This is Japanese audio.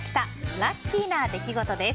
ラッキーな出来事です。